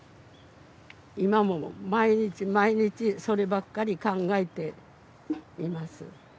今も毎日毎日、そればっかり考えています。